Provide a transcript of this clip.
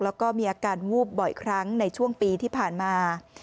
แล้วก็มีอาการวูบบ่อยครั้งในช่วงปีที่ผ่านมา